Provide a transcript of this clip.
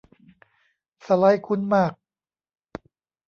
สไลด์คุ้นมาก